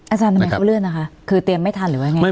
อาจารย์ทำไมเขาเลื่อนนะคะคือเตรียมไม่ทันหรือว่าไง